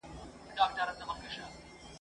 استادانو چلول درانه بارونه ..